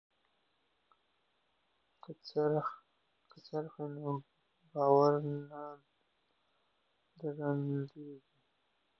که څرخ وي نو بار نه درندیږي.